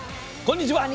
こんにちは。